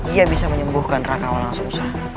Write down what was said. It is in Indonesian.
ia bisa menyembuhkan raka walang sungsang